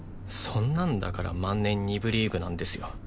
そんなんだから万年２部リーグなんですよ。